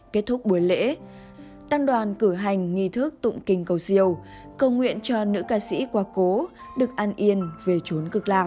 kết thúc buổi lễ tăng đoàn cử hành nghi thức tụng kinh cầu siêu cầu nguyện cho nữ ca sĩ quá cố được an yên về chốn cực lạc